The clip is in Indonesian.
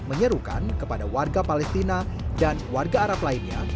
menyerukan kepada warga palestina dan warga arab lainnya